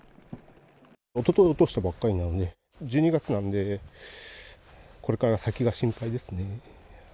おととい落としたばっかりなので、１２月なので、これから先が心配ですね。